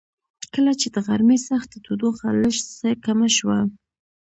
کله چې د غرمې سخته تودوخه لږ څه کمه شوه.